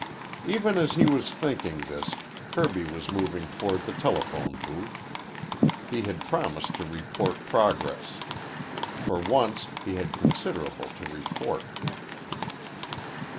Even as he was thinking this, Kirby was moving toward the telephone booth. He had promised to report progress. For once he had considerable to report.